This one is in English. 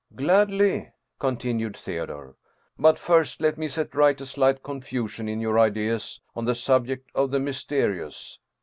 " Gladly," continued Theodore. " But first, let me set right a slight confusion in your ideas on the subject of the mysterious.